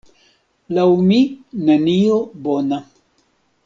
Laŭ mi, nenio bona.